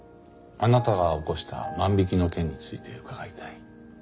あなたが起こした万引きの件について伺いたい。